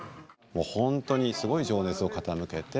本当にすごい情熱を傾けて。